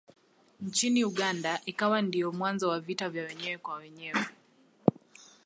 Nchini Uganda ikawa ndiyo mwanzo wa vita vya wenyewe kwa wenyewe.